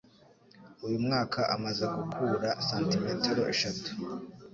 Uyu mwaka amaze gukura santimetero eshatu.